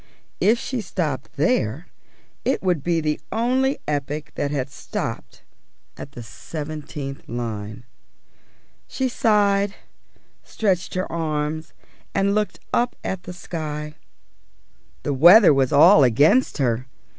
If she stopped there, it would be the only epic that had stopped at the seventeenth line. She sighed, stretched her arms, and looked up at the sky. The weather was all against her.